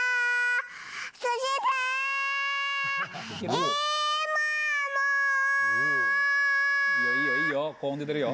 いいよいいよ